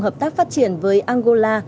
hợp tác phát triển với angola